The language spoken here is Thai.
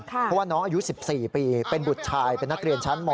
เพราะว่าน้องอายุ๑๔ปีเป็นบุตรชายเป็นนักเรียนชั้นม๔